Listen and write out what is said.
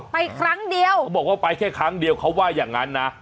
ครั้งเดียวเขาบอกว่าไปแค่ครั้งเดียวเขาว่าอย่างนั้นนะ